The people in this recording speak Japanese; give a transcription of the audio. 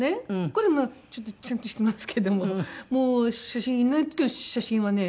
これまあちょっとちゃんとしてますけどももう写真いない時の写真はね